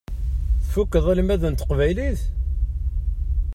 Tfukkeḍ almad n teqbaylit?